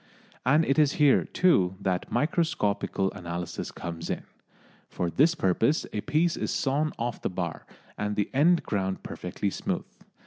And it is here, too, that microscopical analysis comes in. For this purpose a piece is sawn off the bar, and the end ground perfectly smooth.